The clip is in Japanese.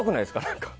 何か。